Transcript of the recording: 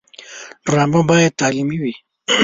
ډرامه باید تعلیمي وي